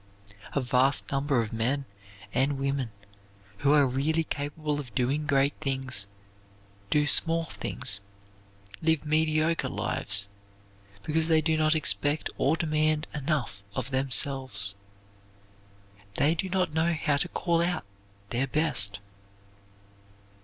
A vast number of men and women who are really capable of doing great things, do small things, live mediocre lives, because they do not expect or demand enough of themselves. They do not know how to call out their best.